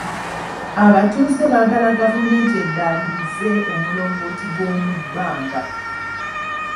Abatuuze baagala gavumenti eddaabirize omulongooti gw'omu bbanga.